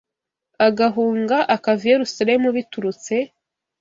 agahunga akava i Yerusalemu biturutse